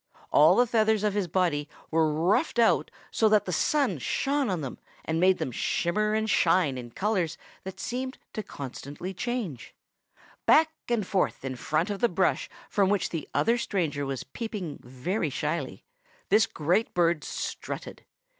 All the feathers of his body were ruffed out so that the sun shone on them and made them shimmer and shine in colors that seemed to constantly change. Back and forth in front of the brush from which the other stranger was peeping very shyly this great bird strutted.